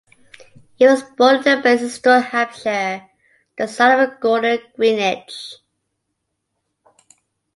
He was born in Basingstoke, Hampshire, the son of Gordon Greenidge.